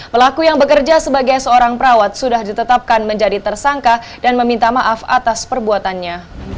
pelaku yang bekerja sebagai seorang perawat sudah ditetapkan menjadi tersangka dan meminta maaf atas perbuatannya